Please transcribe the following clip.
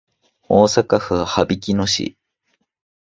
大阪府羽曳野市